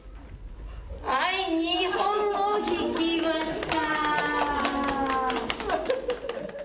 日本を引きました。